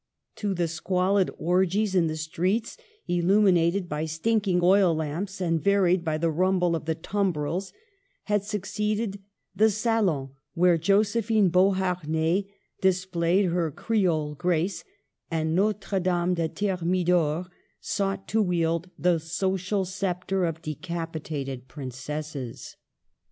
To the squalid orgies in the streets, illuminated by stinking oiUamps, and varied by the rumble of the tumbrils, had succeeded the salons where Josephine Beauharnais displayed her Creole grace, and Notre Dame de Thermidor sought to wield the social sceptre of decapitated princesses.